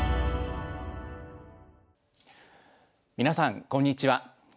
皆さんこんにちは。